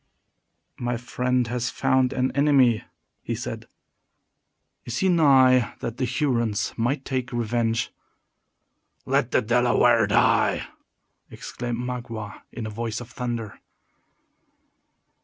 "My friend has found an enemy," he said. "Is he nigh that the Hurons might take revenge?" "Let the Delaware die!" exclaimed Magua, in a voice of thunder.